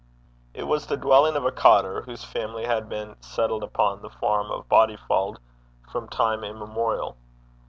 It was the dwelling of a cottar, whose family had been settled upon the farm of Bodyfauld from time immemorial.